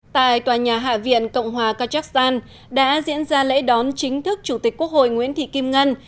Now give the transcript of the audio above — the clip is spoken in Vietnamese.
tại tòa nhà hạ viện cộng hòa kazakhstan đã diễn ra lễ đón chính thức chủ tịch quốc hội nguyễn thị kim ngân